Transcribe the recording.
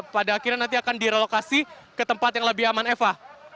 pada akhirnya nanti akan direlokasi ke tempat yang lebih aman eva